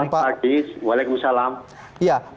selamat pagi waalaikumsalam